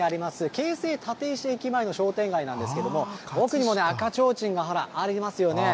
京成立石駅前の商店街なんですけれども、奥にも赤ちょうちんがほら、ありますよね。